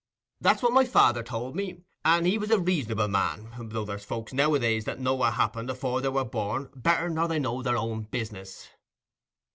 That's what my father told me, and he was a reasonable man, though there's folks nowadays know what happened afore they were born better nor they know their own business."